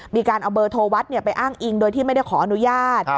มีการเอาเบอร์โทรวัดไปอ้างอิงโดยที่ไม่ได้ขออนุญาต